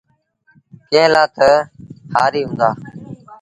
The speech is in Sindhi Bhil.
ڪݩهݩ لآ تا هآريٚ هُݩدآ۔